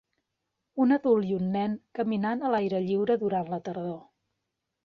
Un adult i un nen caminant a l'aire lliure durant la tardor.